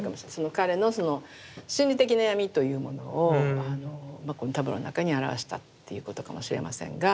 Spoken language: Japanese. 彼のその心理的な闇というものをこのタブローの中に表したっていうことかもしれませんが。